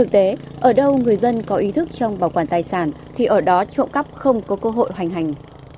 trước trong bảo quản tài sản thì ở đó trộm cắp không có cơ hội hoành hành